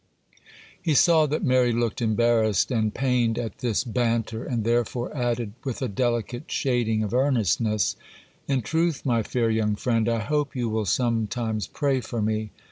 He saw that Mary looked embarrassed and pained at this banter, and therefore added, with a delicate shading of earnestness— 'In truth, my fair young friend, I hope you will sometimes pray for me.